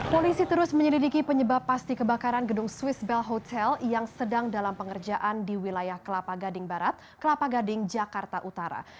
polisi terus menyelidiki penyebab pasti kebakaran gedung swiss bell hotel yang sedang dalam pengerjaan di wilayah kelapa gading barat kelapa gading jakarta utara